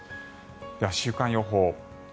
では、週間予報。